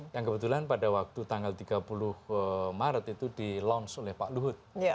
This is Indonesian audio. dan kebetulan pada waktu tanggal tiga maret itu kita mengambil data data ini